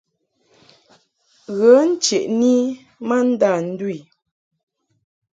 Ghə ncheʼni i ma ndâ ndu i.